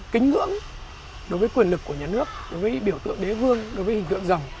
kính ngưỡng đối với quyền lực của nhà nước đối với biểu tượng đế vương đối với hình tượng dòng